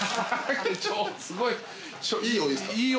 すごい。